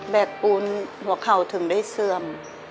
ไม่เสื่อม